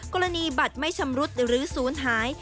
กรณีบัตรไม่ชำรุดหรือศูนย์หาย